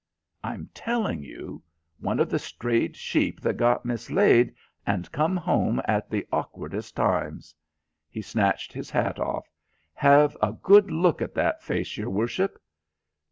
"I'm telling you. One of the strayed sheep that got mislaid and come home at the awkwardest times." He snatched his hat off. "Have a good look at that face, your worship."